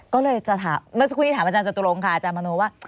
ก็เลยจะถามเมื่อสักครู่นี้ถามอาจารย์จตุรงค่ะอาจารย์มโนว่า